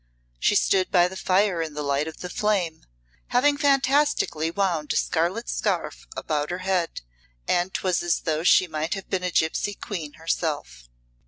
She stood by the fire in the light of the flame, having fantastically wound a scarlet scarf about her head, and 'twas as though she might have been a gipsy queen herself.